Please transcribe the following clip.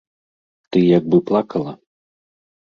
Ты як бы плакала?